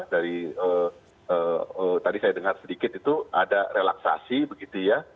dari tadi saya dengar sedikit itu ada relaksasi begitu ya